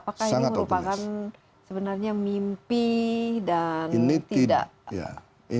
bahwa apakah ini merupakan sebenarnya mimpi dan tidak bisa direalisasi